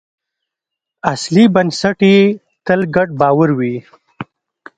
اصلي بنسټ یې تل ګډ باور وي.